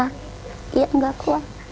ya allah tidak kuat